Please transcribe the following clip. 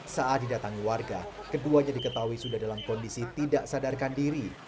saat didatangi warga keduanya diketahui sudah dalam kondisi tidak sadarkan diri